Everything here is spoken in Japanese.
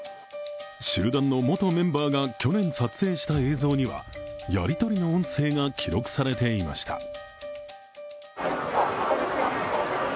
集団の元メンバーが去年撮影した映像にはやり取りの音声が記録されていました。